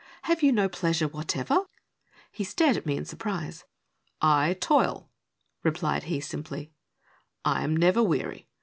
Have you no pleasure whatever? " He stared at me in surprise. " I toil," replied he, simply ;" I am never weary.